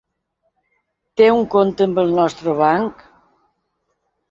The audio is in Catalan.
Té un compte amb el nostre banc?